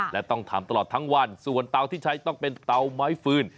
และต้องทำตลอดทั้งวันส่วนเตาที่ใช้ต้องเป็นเตาไม้ฟืน